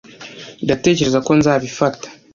ndatekereza ko nzabifata